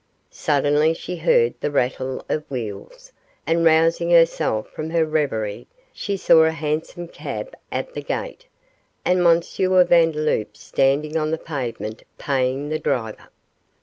Suddenly she heard the rattle of wheels, and rousing herself from her reverie, she saw a hansom cab at the gate, and M. Vandeloup standing on the pavement paying the driver.